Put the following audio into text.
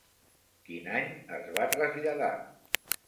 Quin any es va traslladar?